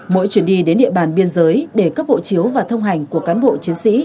mỗi chuyến đi đến địa bàn biên giới để cấp hộ chiếu và thông hành của cán bộ chiến sĩ